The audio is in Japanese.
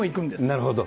なるほど。